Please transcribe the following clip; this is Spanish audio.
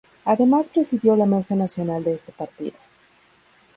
Además presidió la mesa nacional de este partido.